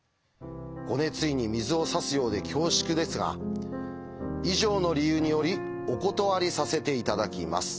ご熱意に水を差すようで恐縮ですが以上の理由によりお断りさせて頂きます」。